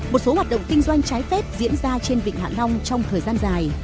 một số hoạt động kinh doanh trái phép diễn ra trên vịnh hạ long trong thời gian dài